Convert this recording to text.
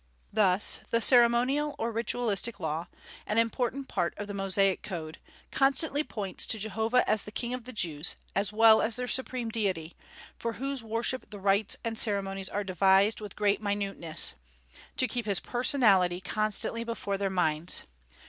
Thus the ceremonial or ritualistic law an important part of the Mosaic Code constantly points to Jehovah as the King of the Jews, as well as their Supreme Deity, for whose worship the rites and ceremonies are devised with great minuteness, to keep His personality constantly before their minds.